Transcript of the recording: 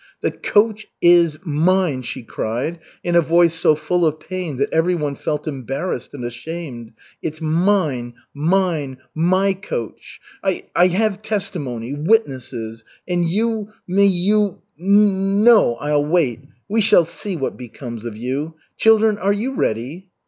"The coach is mine!" she cried in a voice so full of pain that everyone felt embarrassed and ashamed. "It's mine! Mine! My coach! I I have testimony witnesses. And you may you No, I'll wait We shall see what becomes of you. Children, are you ready?"